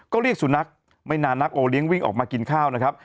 ก็เรียกสุนัขไม่นานนักโอเลี้ยงวิ่งออกมากินข้าวนะครับ